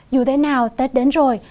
dù thế nào tết đến rồi